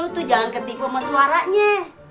tuh jangan ketik sama suaranya